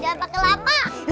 jangan pakai lama